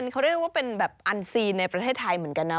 เขาเรียกว่าเป็นแบบอันซีนในประเทศไทยเหมือนกันนะ